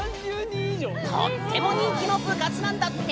とっても人気の部活なんだって！